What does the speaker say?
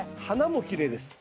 花もきれいです。